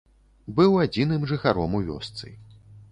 Быў адзіным жыхаром у вёсцы.